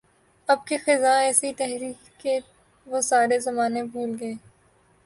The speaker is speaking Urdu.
اب کے خزاں ایسی ٹھہری وہ سارے زمانے بھول گئے